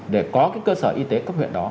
để có cái cơ sở y tế cấp huyện đó